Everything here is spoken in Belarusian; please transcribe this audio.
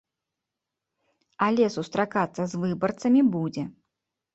Але сустракацца з выбарцамі будзе.